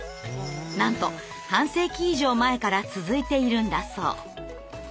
なんと半世紀以上前から続いているんだそう。